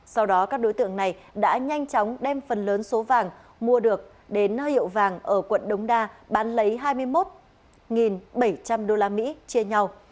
sau đó các đối tượng này đã nhanh chóng đem phần lớn số vàng mua được đến hiệu vàng ở quận đống đa bán lấy hai mươi một bảy trăm linh usd chia nhau